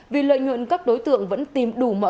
vì lợi nhuận các đối tượng vẫn tìm đủ mọi